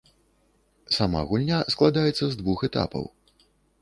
Сама гульня складаецца з двух этапаў.